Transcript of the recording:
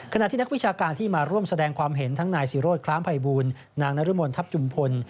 ขณะที่นักวิชาการที่มาร่วมแสดงความเห็นทั้งนายศิโรธคล้ามภัยบูลนางนรมนทัพจุมพล